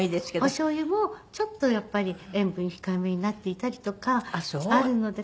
おしょうゆもちょっとやっぱり塩分控えめになっていたりとかあるので。